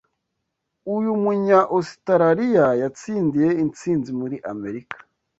uyu munya ositaraliya yatsindiye intsinzi muri Amerika